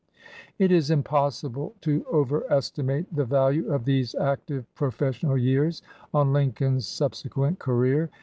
It is impossible to overestimate the value of these active professional years on Lincoln's sub sequent career.